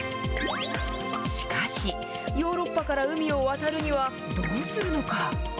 しかし、ヨーロッパから海を渡るにはどうするのか。